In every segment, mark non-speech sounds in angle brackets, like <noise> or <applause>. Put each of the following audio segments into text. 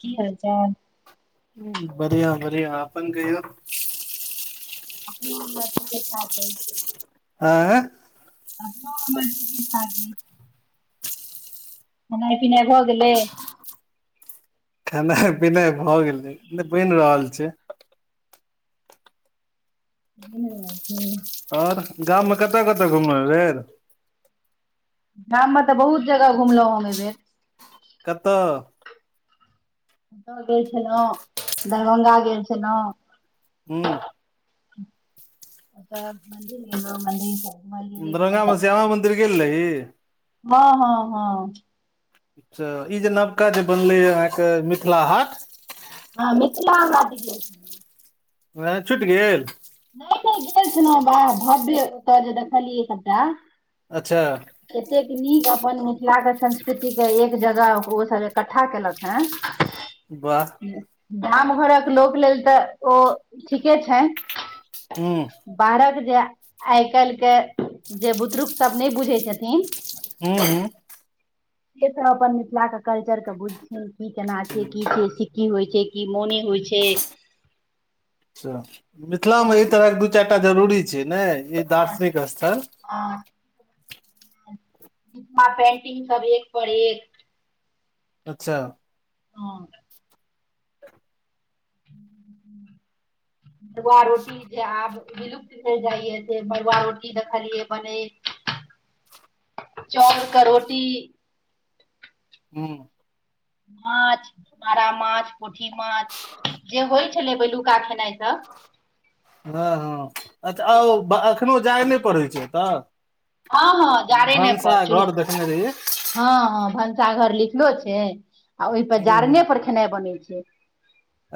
की हाल चाल बढ़िया बढ़िया अपन कहियो अपनो हमर ठीके ठाक यै आँ अपनो हमर ठीके ठाक अछि। खेनाइ पिनाइ भऽ गेलै खेनाइ पिनाइ भऽ गेलै नइ बइन रहल छै। <inaudible> आओर गाममे कतय कतय घूमल भेल गाममे तऽ बहुत जगह घुमलहुँं हम एहि बेेर कतऽ ओतहु गेल छलहुँ दरभंगा गेल छलहुँ ह्म ओत मंदिर गेलै मन्दि पार दरभंगा म श्यामा मंदिर गेल रही हँ हँ हँ अच्छ ई जे नवका जे बनलैए अहाँके मिथिला हाट हँ मिथिला गेल छलहुँ वे छुटि गेल नय नहि गेल छल वाह भव्य ओतय जे देखलियै सभटा अच्छा नीक अपन मिथिला के संस्कृति के एक जगह ओ सब एकठ्ठा केलक ह वाह गाम घरक लोक लेल तऽ ओ ठीके छै, हूँ बाहरक जे आइ काल्हि के जे बुदरूक सब नहि बुझै छथिन हू हू से सब अपन मिथिला के कल्चर के बुझथि की केना छै की अच्छा छै से की होइ छै। कियाकी मेने होइ छै। अछा मिथिला मे ई तँ दू चारि टा जरूरी नइ ई दार्शनिक स्थल मिथिला मिथिला पेंटिंग सब एक पर एक अच्छा हाँ मरुआ रोटी जे आब विलुप्त भेल जाइ य जे मरुआ रोटी देखलिए बनैत चाउर क रोटी हू माछ मारामाछ पोठिमाछ जे होइ छलै पहिनुका खेनाइ सब हँ हँ अच्छा से सब छै औ एखनो जाय नहि पड़ै छै तऽ हँ हँ जारैने भनसा पर चूल घर देखने रहिय हँ हँ भनसाघर लिखलो छै आ ओहिपर हूँ हूँ जारने पर खेनाई बनै छै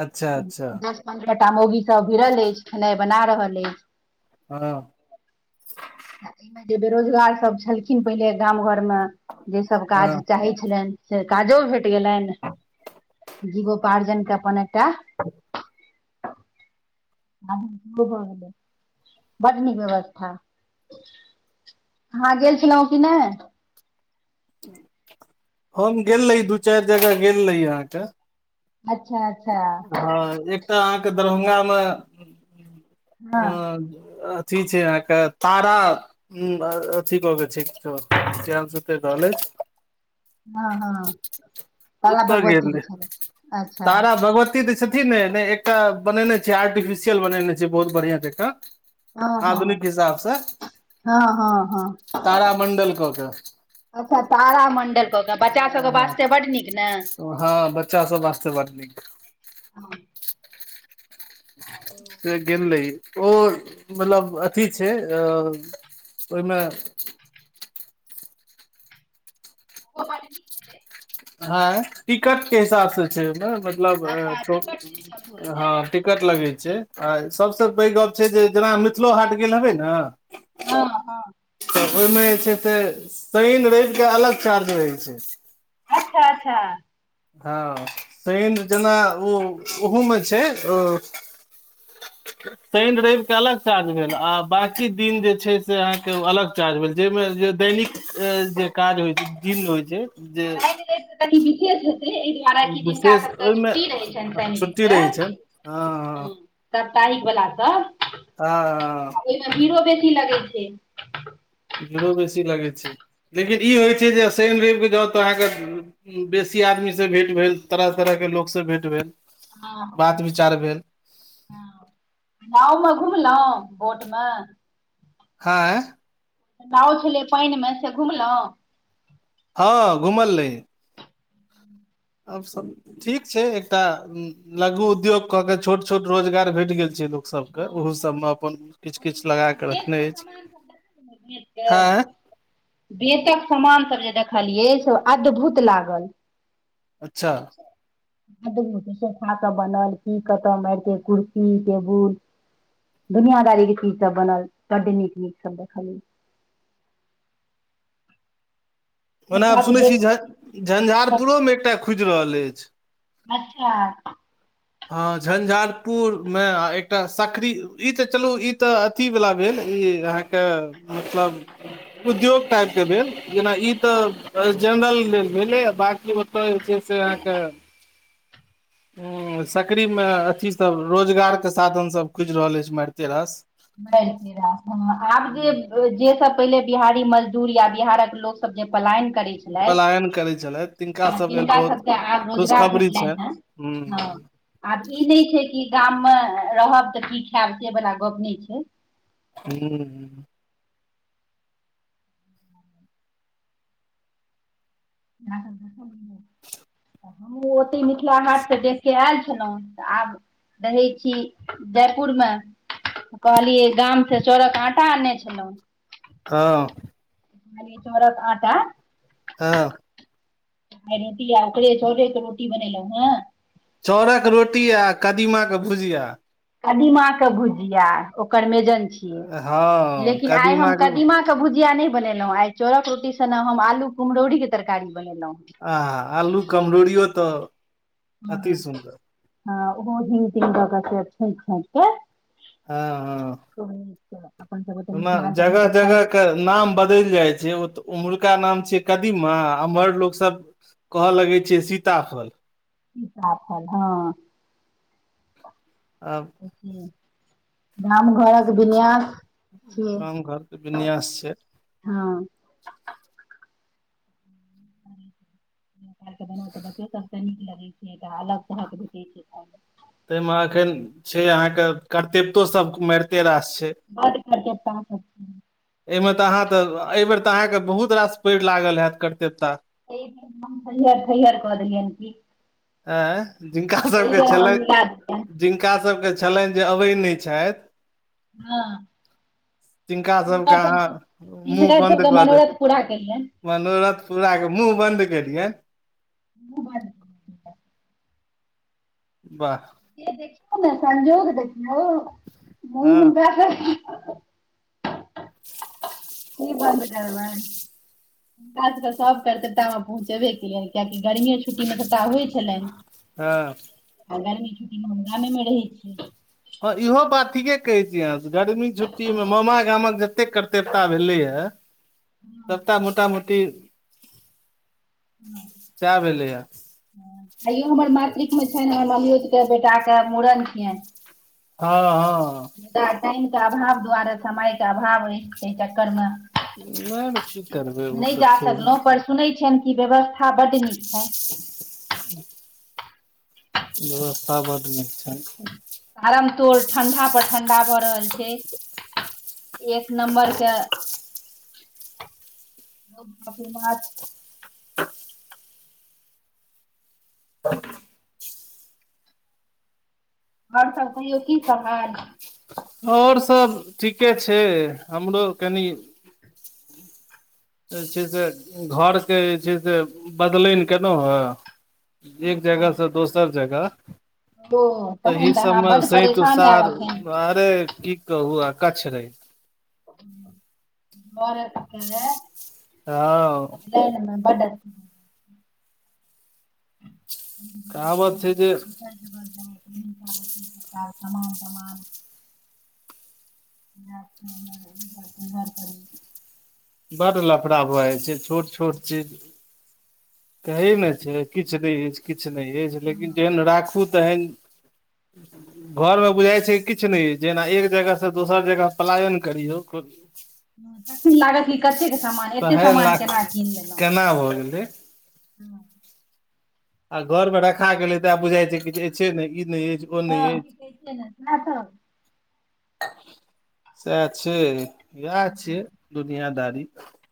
अच्छा अच्छा दस पंद्रहटा मोगी सब भिरल अछि खेनाइ बना रहल अछि हँ एहिमे जे बेरोजगार सब छलखिन पहिले गाम घर मे जे सब काज हँ चाहे छलनि से काजो भेट गेलनि जीवो पार्जनके अपन एकटा ह <inaudible> गरमी सॅ बोओ गेले बड नीक व्यवस्था अहाँ गेल छलहुँ कि नहि हम गेल रही दू चारि जगह गेल रही अहाँके अच्छा अच्छा हँ एकटा अहाँके दरभंगामे अ हँ अ अथी छै अहाँके तारा अथी क के छैे रहल अछि <inaudible> हँ हँ काला ओतऽ भगवती क छलै अच्छा इ जे छथिन ने एकटा बनेने छै आर्टिफिशियल बनेने छै बहुत बढ़िया जका हँ हँ आधुनिक हिसाबसँ हँ हँ हँ कऽ के अच्छा तार मण्डल ओ तब बच्चा सब हँ वास्ते बड नीक न हँ बच्चा सब वास्ते बड नीक हँ से गेल रहि ओ मतलब अथि छै ओहिमे <inaudible> ओ बड नीक छलै है टिकट के हिसाब से छै ने मतलब ए अच्छा टिकट सिस्टम तब छियै ने हँ टिकट लगे छै आ सभसँ पैघ गप छै जे जेना मिथिलो हाट गेल हेबै न हँ हँ ओहिमे जे छै से शइन रइब के अलग चार्ज रहै छै अच्छा अच्छा हँ शइन जेना ओ ओहूमे छै ओ <inaudible> शइन रइब के अलग चार्ज भेल आ बकी दिन जे छै, से अहाँके अलग चार्ज भेल जाहिमे जे दैनिक जे काज होइ छै दिन होइ छै। जे काईल जाइसॅ त निके छल एहिदुआरे कि जिनका विशेष सब क ओहिमे छुट्टी रह छनि शइन छुट्टी रहै दिनक छै हू हँ हॉ एहि बला पर अ हाँ की लगे छैे रो बेसी लागै छै लेकिन ई होइ छै जे शइन रइब जाउ तऽ अहाँके बेसी आदमी से भेट भेल तरह तरह के लोग से भेंट भेल हॉ बात विचार भेल हॉ गाउमे घुमलहु बटमे हॉइ नॉव छलै पानिमे से घुमलहुँ ह घुमल रहि आब सभ ठीक छै एकटा लघु उद्योग कऽ के छोट छोट रोजगार भेट गेल छै सबके हँ ओहो हँ सबमे अपन किछु किछु ओहिमे लगा आहा कऽ बेत रखने क अछि समान सब देखलिए हँ बेतक बेतक सामानसभ जे देखलियै से अद्भूत लागल।। अच्छा सोखा क बनल की कतऽ मइरते कुर्सी टेबुल दुनियादार चीज सब बनल बड नीक नीक सब देखलिये <inaudible> ओना आब के सुनैत छी झ देख झंझारपुरोमे एकटा खुजि रहल अछि अच्छा हँ झंझारपुरमे आ एकटा सकरी ई तऽ चलू ई तऽ अथी वला भेल ई अहाँके मतलब उद्योग टाइपके भेल जेना ई तऽ हँ जेनरल ल भेलै बाँकी ओतय जे छै से अहाँक उ सकड़री मे अथीसभ रोजगारके साधन सब खुजि रहल अछि मारिते रस आब जे जे सब पहिले बिहारी मजदूर या बिहारक लोक सब जे पलाइन पलायन करैत छलथि तिनका सभ लेल बहुत सबके आब रोजगार खुशखबरी भेटलनि छैन हेँ हू हँ आब ई नहि छै कि गाममे रहब तऽ की खायब से वला गप्प नहि छै हू हू ह हमहूँ ओतहि मिथिला हाटसँ देख कऽ आयल छलउ तऽ आब रहै छी जयपुर मे कहलियै गाम से चउरक आटा आनने छलहुँ हँ कहलियै चाउरक आटा हँ रोटी आ ओकरे चाउरे के रोटी बनेलउ हँ चाउरक रोटी आ कदीमाक के भुजिया कदीमा के भुजिया ओकर मेजन छियै हँ लेकिन आइ कदीमा हम कदिमा के भूजिया नइ बनेलहुॅँ आइ चाउरक रोटी के सने हम आलू कुमहरोरी के तरकारी बनेलहुँ आ आलू कमरोरीयो तऽ अति सुन्दर ह ओहो हिंग तींग द क से छोइक छाइक क हँ हँ अपन सभके तऽ <inaudible> मिथिलाञ्चलमे तऽ खाइए एका नाम छिय कदीमा एम्हर लोक सब कहऽ लगे छै सीताफल सिताफल हँ अछि से छियै गाम घरके विन्यास छै हँ <inaudible> <inaudible> बना तऽ बच्चो सभ के नीक लगैत छै अलग तरहके भेटइ छै ताहिमे एखन छै अहाँके कर्तत्योसभ माइरते रास छै बड्ड करचट्टा सभ एहिमे तऽ अहाँ तऽ एहि बेेर तऽ अहाँकेँ बहुत रास पइड लागल हैत कर्तेवता थयहर थयहर कऽ देलियनि की अए जिनका एहि सबके बेर हम छलै मिला दियैन जिनका सबके छलनि जे अबै नइ छथि हँ तिनका हिनका अहाँ सबके मुँह हिनका बन्द सबके कऽ दे मनोरथ पूरा कियलनि मनोरथ पुराके मुँह बन्द केलियनि मुँह बन्द वाह जे देखियो ने संजोग देखियो मुन हँ हुनका <inaudible> की बन्द करबै हुनका सबके सब कर्तेव्यतामे पहुँचेबे केलियै कियकि गर्मीये छुट्टी मे सबटा होइ छलैन हँ आ ग्रमी छुट्टी मे हम गामे मे रहै छी हँ इहो बात ठीके कहैत छी अहाँसब गर्मी हँ छुट्टीमे मामा गामक जते कतेक कर्तव्यता भेलै या हँ सबटा मोटा मोटी सएह भेलैया आइयो हमर मातृक छनि हमर ममियोत के बेटाक के मूड़न छियनि हँ हँ जा टाइम के अभाव दुआरे समय के अभाव अछि तहि चक्करमे नहि तऽ की करबै ओ नहि जा सब छै सकलहुँ पर सुनै छियेनि इ व्यवस्था बड्ड नीक छैन व्यवस्था बड निक छइ तारमतोर ठण्डा पर ठण्डा भऽ रहल छै एक नं्बर के <unintelligible> जी आओर सब कहिैयो की सब हाल आओर सभ ठीके छै। हमरो कनि जे छै से घरके जे छै से बदलनि कयलहुँ हँ एक जगह स दोसर जगह ओ तऽ ई तखन सब अहाँ बड्ड से परेशान तुषार हैब एखन अरे की कहु आकाछ रहै मर कह हँ बडा कावत छै तऽ समान तान ब हजार कर बड्ड लफड़ा बहै छै छोट छोट चीज कहैमे छै किछु नहि अछि किछु नहि अछि लेकिन जेहन राखू तेहन <inaudible> घरमे बुझाइ छै किछु नहि जेना एक जगहसँ दोसर जगह पलायन करियौ तखन लागत कि कतेक सामान एतेक तहन सामान लाख केना कीन लेलहुँ केना भऽ गेलै <inaudible> आ घरमे रखा गेलै तऽ आब बुझाइ छै। किछ अच्छे ने ई नहि अछि हँ की कहै छियै ने सैह तऽ सएह छै इएह छियै दुनिियदारी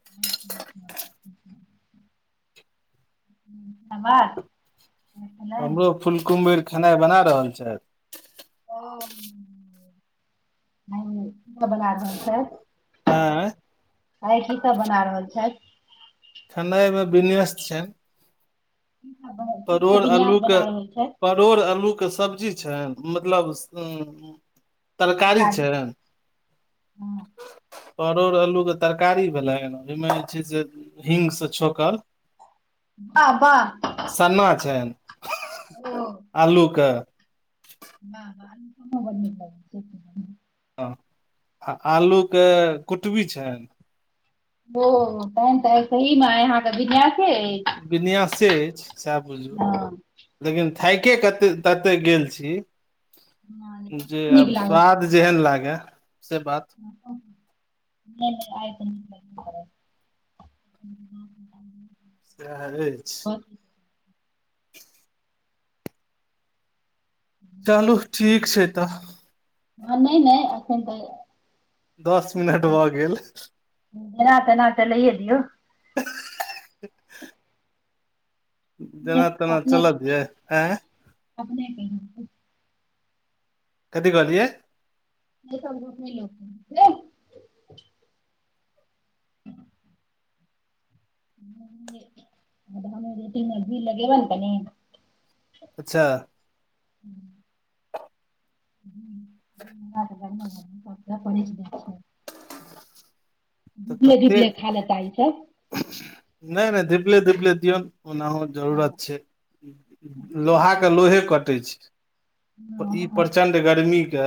<unintelligible> आ बाज हमरो फुलकुमबर खेनाइ बना रहल छथि ओ बना रहल छै आँय आइ की सब बना रहल छथि ठण्डामेमे बिन आस छ की सब बन- की सब परोड़ विन्यास आलू के बना रहल छथि परोड़ आलू के सब्जी अचछा मतलब अ तरकारी छै हँ। परोड़ अल्लूके तरकारी भेलै ओहिमे जे छै से ही्सँ छौोकल वाह बाह सन्ना छनि आलूके वाह <unintelligible> हँ, आ आलूके कुटबी छैन ओ तहन आइ सहीमे आइ अहाँके विन्यासे अछि से अइछ सएह बुझू हँ लेकिन थइके केते तते गेल छी हँ, लेकिन जे नीक अब स्वाद जेहन लागै नै नै आइ त नइ भेल <unintelligible> सहे आइच चलू ठीक छै तऽ हँ नइ नइ अखन तऽ दस मिनट भऽ गेल जेना तेना चलैए दियौ <unintelligible> अपने जेना तेना अपने चलत यै आँय अपने केहेन छै कथी कहलियै से सब लोक नइ लोकै छै हमे रोटीमे घी लगेबैन कनि अच्छह <inaudible> <inaudible> तऽ धिपले तते धिपले खाय लेता ई सब धिपले धिपले दियौन ओनाहु हँ जरूरत छै लोहा धिपले के धिपले। लोहे कटै छै ई प्रचण्ड गर्मी क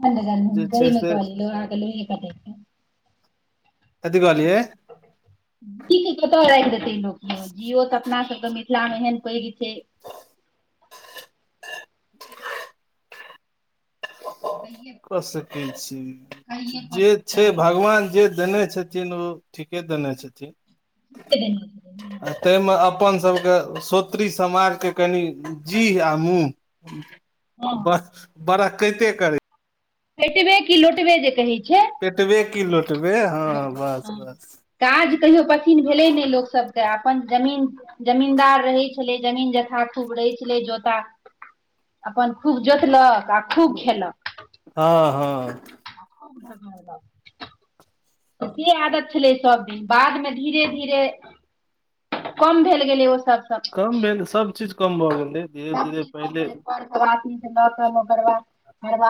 प्रचण्ड गर्मी सही मे कहलियै लोहा के लोहे कटइ छै कथी कहलियै पी के कतअ राइख देल लोक यो जिहो तऽ अपना सबके मिथिला मे एहन पैघ छै <inaudible> खाइये कऽ सकै छी खाइये जे पड़तै छै तऽ भगवान जे देने छथिन ओ ठीके देने छथिन देने छथिन तइमे अपन सबके सो स्त्री समाज के कनि जीह आ मुह हँ बह बड़ा कइते करै पेटबे कि लोटबे जे कहै छै पेटबे कि लो काज कहियो पसिन भेलै नइ लोकसभके तऽ अपन जमीन जमीनदार रहै छलै जमीन जथा खूब रहै छलै जोता अपन खूब जोतलक आ खूब हँ हँ <unintelligible> तऽ के आदत छलै सभदिन बादमे धीरे धीरे कम भेल गेलै ओ सब सब कम भेल सभ चीज कम भऽ गेलै धीरे सब धीरे चीज क क पहिले जे खर खबासनी के ल क ओगरवाही <unintelligible>